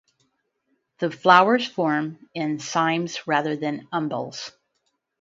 The flowers form in cymes rather than umbels.